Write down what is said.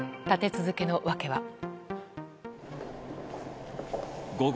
立て続けの訳は？